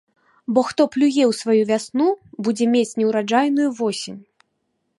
Бо хто плюе ў сваю вясну, будзе мець неўраджайную восень.